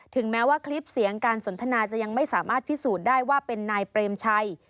แม้ว่าคลิปเสียงการสนทนาจะยังไม่สามารถพิสูจน์ได้ว่าเป็นนายเปรมชัย